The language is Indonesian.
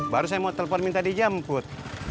baru saya mau telepon minta dijemput